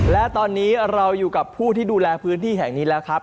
และตอนนี้เราอยู่กับผู้ที่ดูแลพื้นที่แห่งนี้แล้วครับ